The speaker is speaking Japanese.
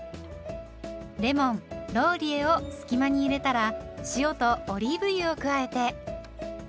レモンローリエを隙間に入れたら塩とオリーブ油を加えて。